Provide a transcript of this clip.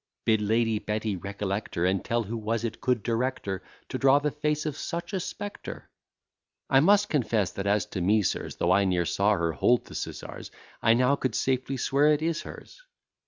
Bid Lady Betty recollect her, And tell, who was it could direct her To draw the face of such a spectre? I must confess, that as to me, sirs, Though I ne'er saw her hold the scissars, I now could safely swear it is hers.